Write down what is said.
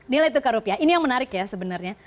nilai tukar rupiah ini yang menarik ya sebenarnya